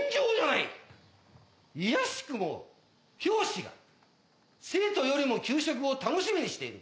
いやしくも教師が生徒よりも給食を楽しみにしている。